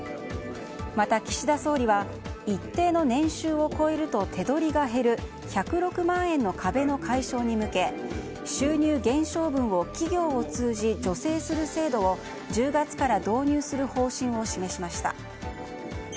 また、岸田総理は一定の年収を超えると手取りが減る１０６万円の壁の解消に向け収入減少分を企業を通じ助成する制度を１０月から導入する方針を示しました。